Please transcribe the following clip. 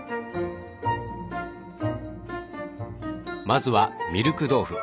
まずはミルク豆腐。